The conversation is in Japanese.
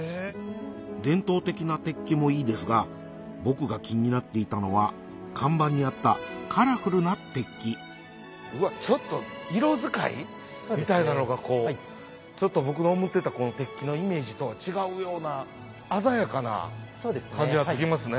伝統的な鉄器もいいですが僕が気になっていたのは看板にあったカラフルな鉄器ちょっと色使いみたいなのがこう僕が思ってた鉄器のイメージとは違うような鮮やかな感じになってきますね。